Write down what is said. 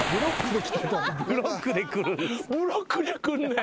ブロックで来んねん。